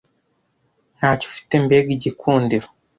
ntacyo ufite mbega igikundiro